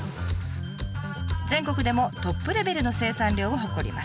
全国でもトップレベルの生産量を誇ります。